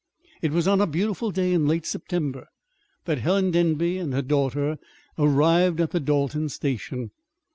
It was on a beautiful day in late September that Helen Denby and her daughter arrived at the Dalton station.